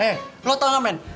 eh lo tau gak men